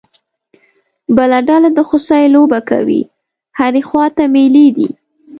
بله ډله د خوسی لوبه کوي، هرې خوا ته مېلې دي.